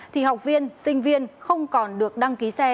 thì học viên sinh viên không còn được đăng ký xe